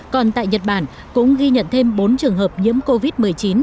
còn tại nhật bản cũng ghi nhận thêm bốn trường hợp nhiễm covid một mươi chín